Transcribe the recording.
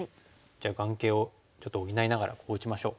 じゃあ眼形をちょっと補いながらここ打ちましょう。